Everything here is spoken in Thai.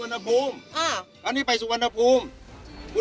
นี่เขามีพระให้ทุกที่นั่ง